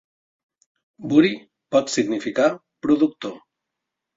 "Buri" pot significar "productor".